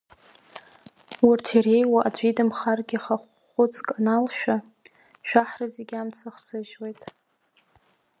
Урҭ иреиуоу аӡәы идамхаргьы ихахәы хәыцк аналшәа, шәаҳра зегьы амца ахсыжьуеит.